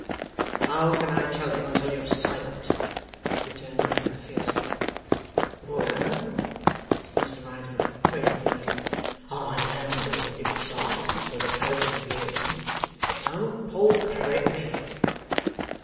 'How can I tell you until you are silent?' returned the other fiercely. 'Well,' said Mr Riderhood, quailing a little, 'I am willing to be silent for the purpose of hearing. But don't Poll Parrot me.